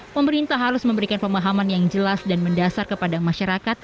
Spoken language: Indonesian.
pemerintah harus memberikan pemahaman yang jelas dan mendasar kepada masyarakat